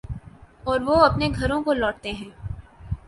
اوروہ اپنے گھروں کو لوٹتے ہیں۔